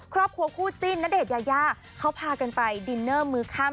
ครอบครัวคู่จิ้นนเดชยาเขาพากันไปดินเนิลมื้อกลั้ม